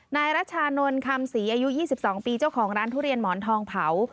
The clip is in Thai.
นายรัชานนท์คำศรีอายุ๒๒ปีเจ้าของร้านทุเรียนหมอนทองเผา